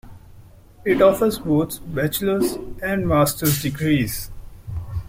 It offers both bachelor's and master's degrees.